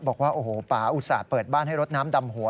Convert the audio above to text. บอกว่าโอ้โหป่าอุตส่าห์เปิดบ้านให้รดน้ำดำหัว